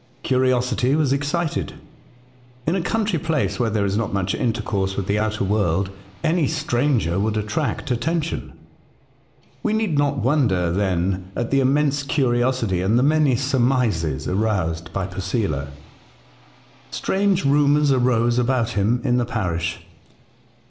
Curiosity was excited. In a country place, where there is not much intercourse with the outer world, any stranger would attract attention. We need not wonder, then, at the intense curiosity, and the many surmises, aroused by Posela. Strange rumours arose about him in the parish.